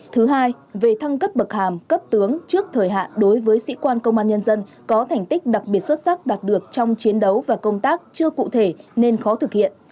thứ hai về thăng cấp bậc hàm cấp tướng trước thời hạn đối với sĩ quan công an nhân dân có thành tích đặc biệt xuất sắc đạt được trong chiến đấu và công tác chưa cụ thể nên khó thực hiện